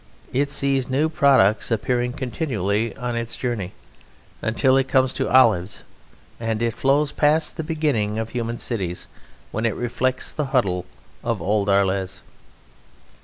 It sees new products appearing continually on its journey until it comes to olives, and it flows past the beginning of human cities, when it reflects the huddle of old Arles.